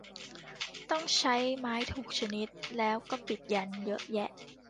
ต้องใช้ไม้ถูกชนิด แล้วก็ปิดยันต์เยอะแยะ